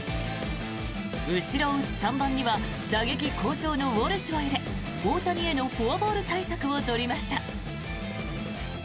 後ろを打つ３番には打撃好調のウォルシュを入れ大谷へのフォアボール対策を取りました。